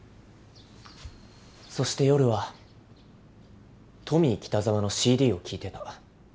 そして夜はトミー北沢のＣＤを聴いてた。